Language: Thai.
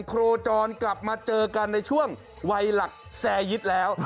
โคจรกลับมาเจอกันในช่วงวัยหลักแซยิตแล้ว